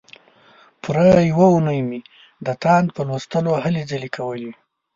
پوره یوه اونۍ مې د تاند په لوستلو هلې ځلې کولې.